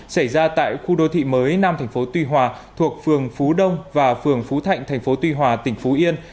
xảy ra tại khu đô thị mới nam tp tuy hòa thuộc phường phú đông và phường phú thạnh tp tuy hòa tỉnh phú yên